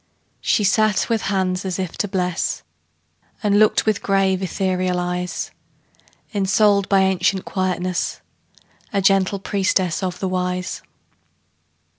She sat with hands as if to bless, And looked with grave, ethereal eyes; Ensouled by ancient quietness, A gentle priestess of the Wise.